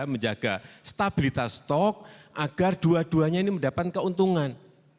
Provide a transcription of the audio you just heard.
menjaga stabilitas stok agar dua duanya ini mendapat keuntungan